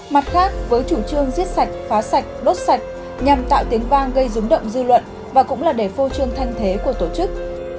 mặt khác với chủ trương giết sạch phá sạch đốt sạch nhằm tạo tiếng vang gây rúng động dư luận và cũng là để phô trương thanh thế của tổ chức